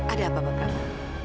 ada pak prabu